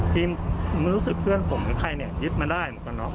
ทีมมันรู้สึกเพื่อนผมกี่ใครเนี่ยยึดมาได้